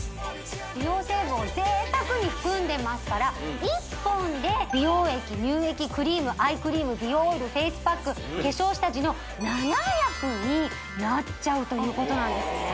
美容成分を贅沢に含んでますから１本で美容液乳液クリームアイクリーム美容オイルフェイスパック化粧下地の７役になっちゃうということなんですね